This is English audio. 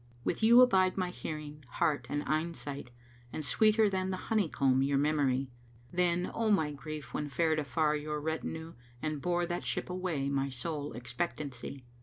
With you abide my hearing, heart and eyen sight * And (sweeter than the honeycomb) your memory. Then, O my Grief when fared afar your retinue * And bore that ship away my sole expectancy."